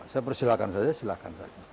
saya persilahkan saja silahkan saja